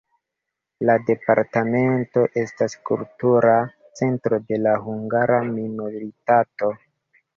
La departemento estas kultura centro de la hungara minoritato.